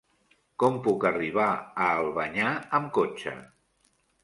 Com puc arribar a Albanyà amb cotxe?